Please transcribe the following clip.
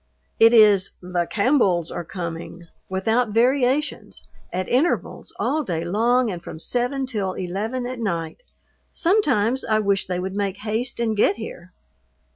It is "The Campbells are Coming," without variations, at intervals all day long and from seven till eleven at night. Sometimes I wish they would make haste and get here.